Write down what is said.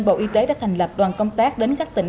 bộ y tế đã thành lập đoàn công tác đến các tỉnh